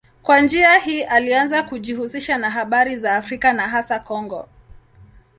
Kwa njia hii alianza kujihusisha na habari za Afrika na hasa Kongo.